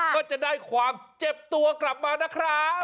ก็จะได้ความเจ็บตัวกลับมานะครับ